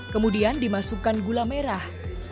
kemudian dimasukkan gula merah